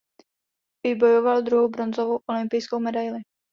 Vybojoval druhou bronzovou olympijskou medaili.